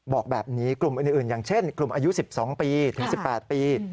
บอกแบบนี้กลุ่มอื่นอย่างเช่นกลุ่มอายุ๑๒ปีถึง๑๘ปี